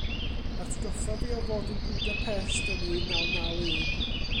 Atgoffa fi o fod yn Budapest yn un naw naw un.